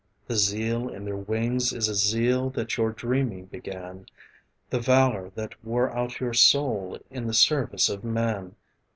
The zeal in their wings is a zeal that your dreaming began, The valor that wore out your soul in the service of man.